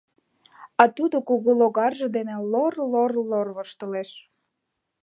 А тудо кугу логарже дене лор-лор-лор воштылеш.